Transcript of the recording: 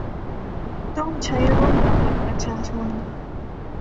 ต้องใช้ร่วมกับบัตรประชาชน